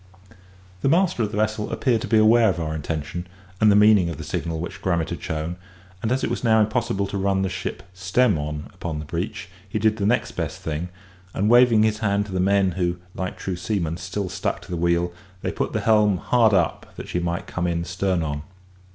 The master of the vessel appeared to be aware of our intention, and the meaning of the signal which Grummet had shown; and as it was now impossible to run the ship stem on upon the beach, he did the next best thing; and waving his hand to the men who, like true seamen, still stuck to the wheel, they put the helm hard up, that she might come in stern on.